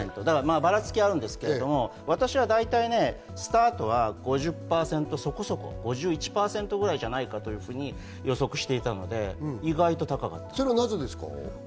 ばらつきはあるんですけれども、私は大体スタートは５０％そこそこ５１％くらいと予測していたので意外と高かったです。